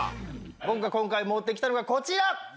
僕が今回持ってきたのがこちら！